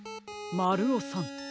まるおさん。